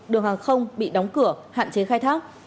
đường hàng không bị đóng cửa hạn chế khai thác